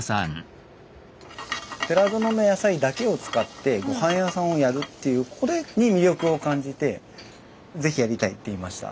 寺園の野菜だけを使ってごはん屋さんをやるっていうこれに魅力を感じてぜひやりたいって言いました。